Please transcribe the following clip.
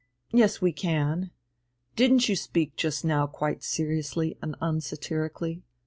"Yes, we can. Didn't you speak just now quite seriously and unsatirically?